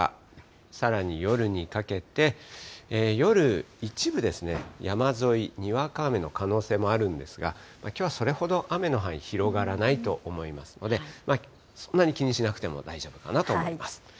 さらに夜にかけて、夜、一部ですね、山沿い、にわか雨の可能性もあるんですが、きょうはそれほど雨の範囲、広がらないと思いますので、そんなに気にしなくても大丈夫かなと思います。